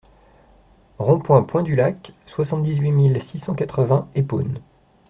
Rond Point Point du Lac, soixante-dix-huit mille six cent quatre-vingts Épône